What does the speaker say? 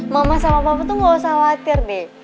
mama sama papa tuh gak usah khawatir deh